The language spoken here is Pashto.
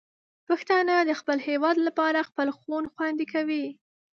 پښتانه د خپل هېواد لپاره خپل خون خوندي کوي.